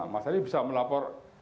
mas dari bisa melapor